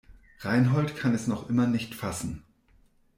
Reinhold kann es noch immer nicht fassen.